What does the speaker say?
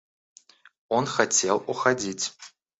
Он хотел уходить.